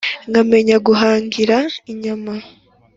Nkamenya guhangira inyama!